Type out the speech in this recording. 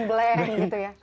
blank gitu ya